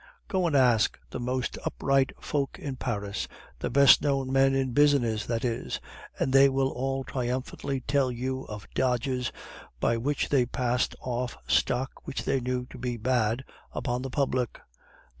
Go and ask the most upright folk in Paris the best known men in business, that is and they will all triumphantly tell you of dodges by which they passed off stock which they knew to be bad upon the public.